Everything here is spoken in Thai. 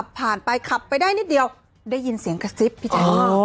ผ่านไปขับไปได้นิดเดียวได้ยินเสียงกระซิบพี่แจ๊ค